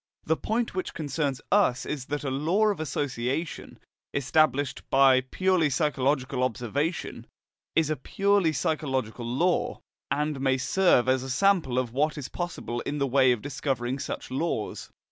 The point which concerns us is that a law of association, established by purely psychological observation, is a purely psychological law, and may serve as a sample of what is possible in the way of discovering such laws.